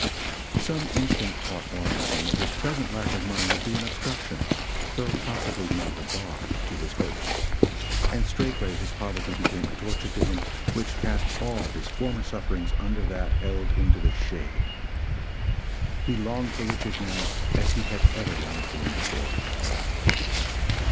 Some instinct taught Washington that his present lack of money would be an obstruction, though possibly not a bar, to his hopes, and straightway his poverty became a torture to him which cast all his former sufferings under that held into the shade. He longed for riches now as he had never longed for them before.